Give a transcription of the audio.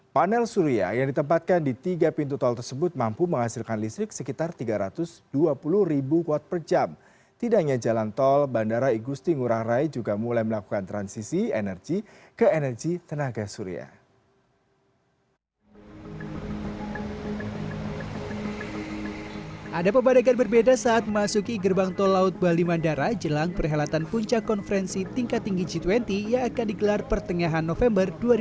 panel surya yang ditempatkan di tiga pintu tol tersebut mampu menghasilkan listrik sekitar tiga ratus dua puluh ribu watt per jam